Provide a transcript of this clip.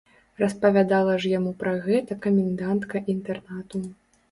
Распавяла ж яму пра гэта камендантка інтэрнату.